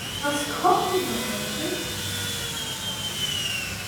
Was kochen wir heute?